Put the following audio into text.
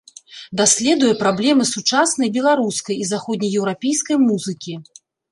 Даследуе праблемы сучаснай беларускай і заходне-еўрапейскай музыкі.